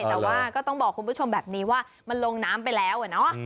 แต่ว่าก็ต้องบอกคุณผู้ชมแบบนี้ว่ามันลงน้ำไปแล้วอะเนาะ